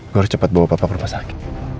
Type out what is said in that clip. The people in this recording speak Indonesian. gua harus cepet bawa papa ke rumah sakit